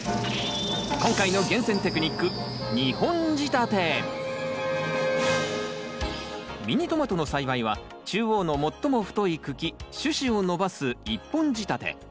今回のミニトマトの栽培は中央の最も太い茎主枝を伸ばす１本仕立て。